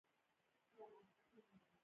د بندونو نه جوړول غفلت دی.